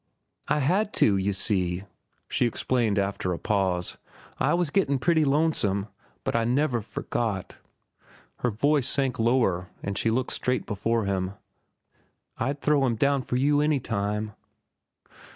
"I had to, you see," she explained after a pause. "I was gettin' pretty lonesome. But I never forgot." Her voice sank lower, and she looked straight before her. "I'd throw 'm down for you any time."